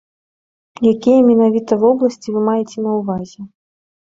Якія менавіта вобласці вы маеце на ўвазе?